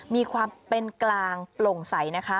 มีความเป็นกลางโปร่งใสนะคะ